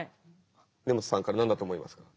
根本さんから何だと思いますか？